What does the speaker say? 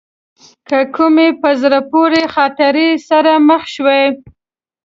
له کومې په زړه پورې خاطرې سره مخ شوې.